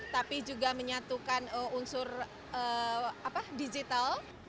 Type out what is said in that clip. tapi juga menyatukan unsur digital